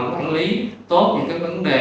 quản lý tốt những cái vấn đề